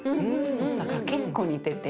だから結構似てて。